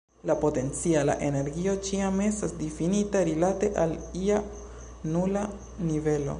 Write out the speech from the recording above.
La potenciala energio ĉiam estas difinita rilate al ia nula nivelo.